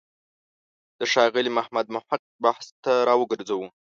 د ښاغلي محمد محق مبحث ته راوګرځو.